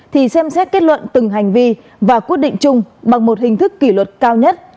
thì xem xét kết luận từng hành vi và quyết định chung bằng một hình thức kỷ luật cao nhất